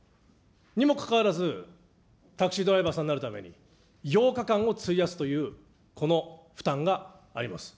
にもかかわらず、タクシードライバーさんになるために８日間を費やすという、この負担があります。